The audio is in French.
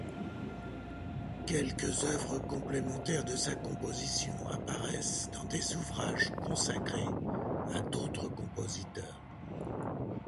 Quelques œuvres complémentaires de sa composition apparaissent dans des ouvrages consacrés à d'autres compositeurs.